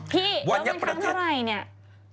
พี่แล้วเงินครั้งเท่าไหร่เนี่ย